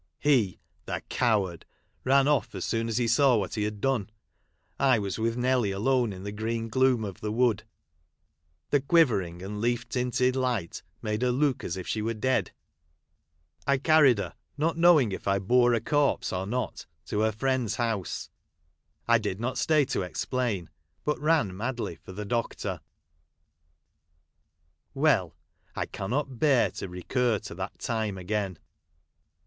He— the coward !— ran off. as soon as he saw •what he had done. I Avas with Nelly alone in the green gloom of the wood. The quiver ing and leaf tinted light made her look as if she were dead. 1 carried her, not knowing if I bore a corpse or not, to her friend's house. I did not stay to explain, but ran madly for the doctor. Well ! I eannot bear to recur to that time again.